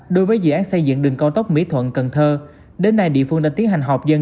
đối với dự án xây dựng đường cao tốc mỹ thuận cần thơ đến nay địa phương đã tiến hành họp dân